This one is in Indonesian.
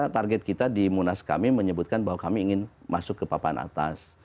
target kita di munas kami menyebutkan bahwa kami ingin masuk ke papan atas